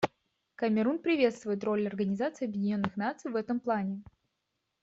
Камерун приветствует роль Организации Объединенных Наций в этом плане.